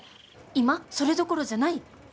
今それどころじゃない。